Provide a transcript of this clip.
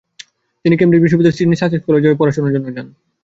তিনি কেমব্রিজ বিশ্ববিদ্যালয়ের Sidney Sussex কলেজে যান পড়াশোনার উদ্দেশ্যে।